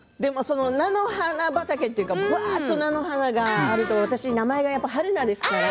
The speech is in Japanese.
菜の花畑というかずっと菜の花があると名前が春菜なのでね